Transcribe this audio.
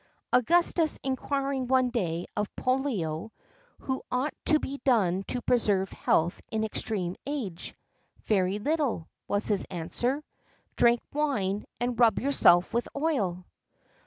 Augustus inquiring one day of Pollio what ought to be done to preserve health in extreme old age: "Very little," was his answer; "drink wine, and rub yourself with oil."